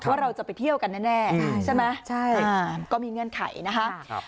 ว่าเราจะไปเที่ยวกันแน่ใช่ไหมใช่ก็มีเงื่อนไขนะคะ